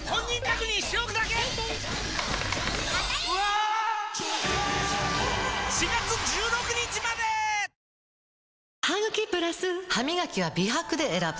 あふっハミガキは美白で選ぶ！